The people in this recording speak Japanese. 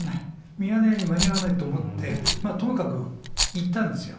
ミヤネ屋に間に合わないと思って、ともかく行ったんですよ。